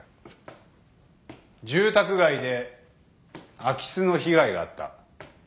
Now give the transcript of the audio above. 住宅街で空き巣の被害があった。